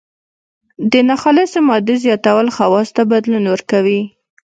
د ناخالصې مادې زیاتول خواصو ته بدلون ورکوي.